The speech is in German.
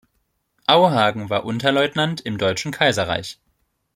Auhagen war Unterleutnant im Deutschen Kaiserreich.